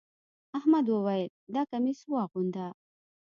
احمد وويل: دا کميس واغونده.